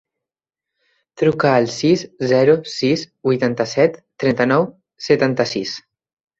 Truca al sis, zero, sis, vuitanta-set, trenta-nou, setanta-sis.